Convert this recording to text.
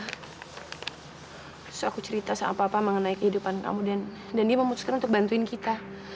terus aku cerita sama apa apa mengenai kehidupan kamu dan dia memutuskan untuk bantuin kita